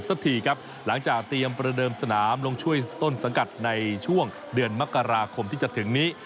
สักทีครับหลังจากเตรียมประเดิมสนามลงช่วยต้นสังกัดในช่วงเดือนมกราคมที่จะถึงนี้